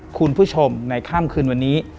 คุณผู้ชมในค่ำคืนวันนี้